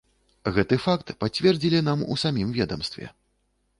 Гэты факт пацвердзілі нам у самім ведамстве.